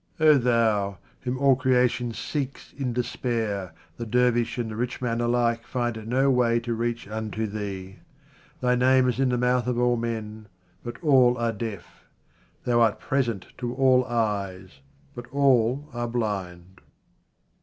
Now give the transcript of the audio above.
O Thou whom all creation seeks in despair, the dervish and the rich man alike find no way to reach unto Thee. Thy name is in the mouth of all men, but all are deaf. Thou art present to all eyes, but all are blind.